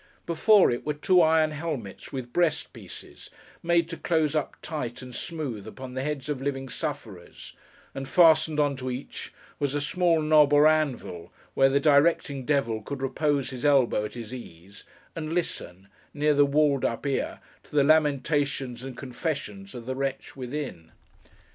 Before it, were two iron helmets, with breast pieces: made to close up tight and smooth upon the heads of living sufferers; and fastened on to each, was a small knob or anvil, where the directing devil could repose his elbow at his ease, and listen, near the walled up ear, to the lamentations and confessions of the wretch within.